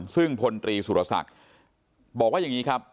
ซึ่งพลตรีสุรศักดิ์บอกว่าอย่างนี้ครับ